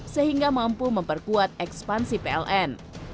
sehingga mampu memperkuat ekspansi pln